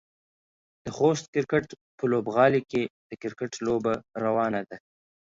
د خوست کرکټ په لوبغالي کې د کرکټ لوبه روانه ده.